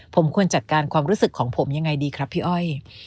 ผมควรจัดการความรู้สึกของผมยังไงดีครับพี่อ้อย